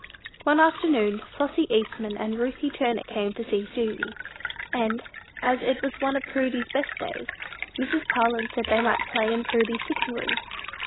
One afternoon, Flossy Eastman and Ruthie Turner came to see Susy; and, as it was one of Prudy's best days, Mrs. Parlin said they might play in Prudy's sitting room.